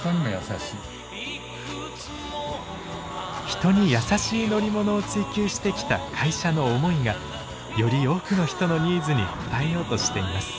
人に優しい乗り物を追求してきた会社の思いがより多くの人のニーズに応えようとしています。